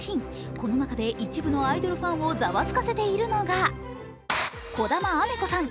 この中で一部のアイドルファンをざわつかせているのが児玉雨子さん